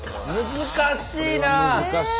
難しいな！